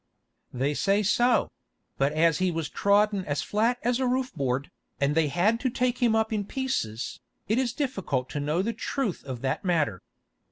"They say so; but as he was trodden as flat as a roof board, and they had to take him up in pieces, it is difficult to know the truth of that matter.